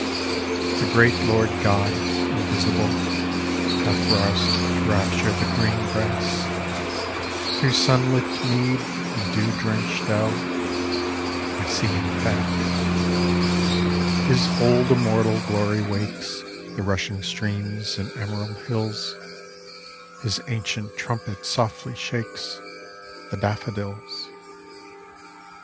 The great Lord God, invisible, Hath roused to rapture the green grass ; Through sunlit mead and dew drenched dell I see Him pass. AN EASTER CANTICLE His old immortal glory wakes The rushing streams and emerald hills; His ancient trumpet softly shakes The daffodils.